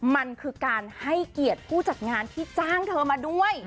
มันคือการให้เกียรติผู้จัดงานที่จ้างเธอมาด้วย